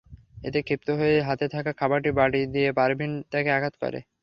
এতে ক্ষিপ্ত হয়ে হাতে থাকা খাবারের বাটি দিয়ে পারভীন তাঁকে আঘাত করেন।